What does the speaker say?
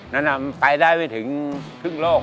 นั้นไปได้ไม่ถึงครึ่งโลก